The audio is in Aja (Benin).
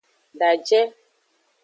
Daje.